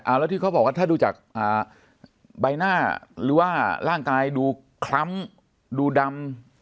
แล้วที่เขาบอกว่าถ้าดูจากใบหน้าหรือว่าร่างกายดูคล้ำดูดำ